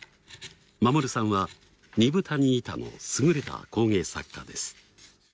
守さんは二風谷イタの優れた工芸作家です。